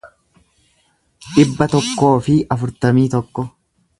dhibba tokkoo fi afurtamii tokko